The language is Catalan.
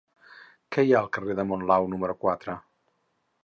Què hi ha al carrer de Monlau número quatre?